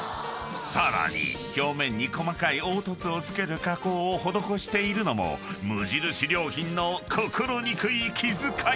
［さらに表面に細かい凹凸を付ける加工を施しているのも無印良品の心憎い気遣い］